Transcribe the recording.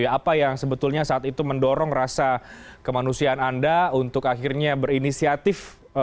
apa yang sebetulnya saat itu mendorong rasa kemanusiaan anda untuk akhirnya berinisiatif